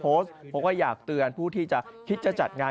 พี่เขาก็อยากเตือนผู้ที่จะคิดจะจัดงาน